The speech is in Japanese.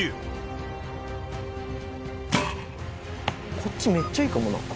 こっちめっちゃいいかもな。